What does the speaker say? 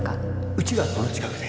うちがこの近くで